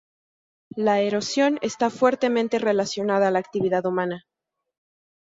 La erosión esta fuertemente relacionada a la actividad humana.